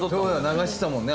流してたもんね